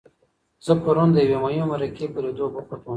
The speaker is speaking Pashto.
زه پرون د یوې مهمې مرکې په لیدو بوخت وم.